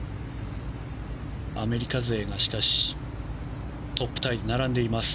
アメリカ勢がトップタイに並んでいます。